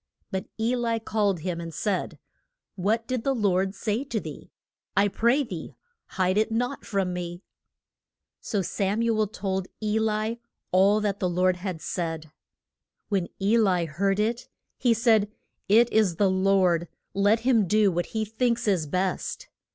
But E li called him and said, What did the Lord say to thee? I pray thee hide it not from me. So Sam u el told E li all that the Lord had said. When E li heard it, he said, It is the Lord, let him do what he thinks is best.